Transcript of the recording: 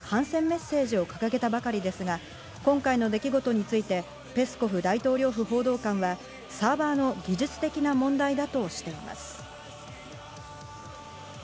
国営テレビでは先日、スタッフの１人が番組中に反戦メッセージを掲げたばかりですが、今回の出来事についてペスコフ大統領府報道官は、サーバーの技術的な問題だとしています。